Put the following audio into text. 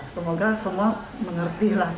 semoga semua mengerti